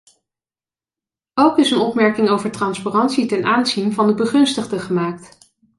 Ook is een opmerking over transparantie ten aanzien van de begunstigden gemaakt.